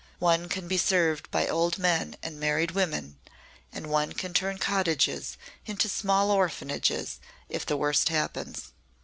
One can be served by old men and married women and one can turn cottages into small orphanages if the worst happens."